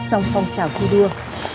trong phong trào khi đua